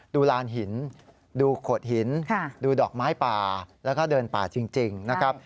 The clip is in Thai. ดูลานหินดูโขดหินดูดอกไม้ป่าแล้วก็เดินป่าจริงนะครับ